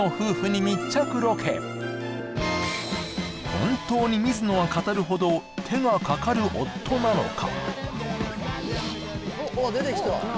本当に水野が語るほど手がかかる夫なのか？